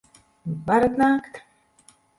Varat nākt!